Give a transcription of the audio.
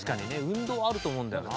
運動あると思うんだよな。